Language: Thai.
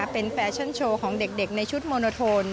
เป็นแฟชั่นโชว์ของเด็กในชุดโมโนโทน